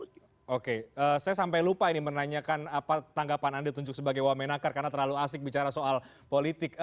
oke saya sampai lupa ini menanyakan apa tanggapan anda tunjuk sebagai wamenakar karena terlalu asik bicara soal politik